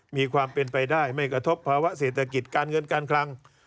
มีความเป็นไปได้ไม่กระทบภาวะเศรษฐกิจการเงินการคลัง